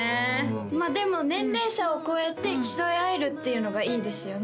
まあでも年齢差を超えて競い合えるっていうのがいいですよね